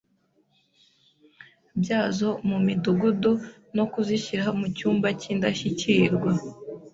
byazo mu Midugudu no kuzishyira mu cyumba cy’indashyikirwa.